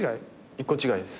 １個違いっす。